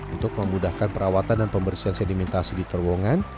untuk memudahkan perawatan dan pembersihan sedimentasi di terowongan